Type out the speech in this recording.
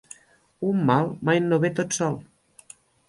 Un mal mai no ve tot sol.